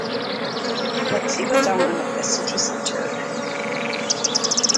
Let's see what's on at the city centre